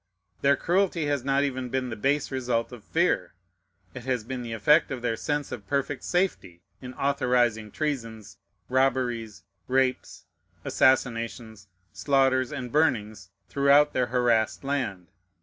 Their cruelty has not even been the base result of fear. It has been the effect of their sense of perfect safety, in authorizing treasons, robberies, rapes, assassinations, slaughters, and burnings, throughout their harassed land.